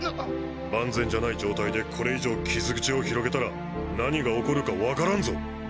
万全じゃない状態でこれ以上傷口を広げたら何が起こるか分からんぞ。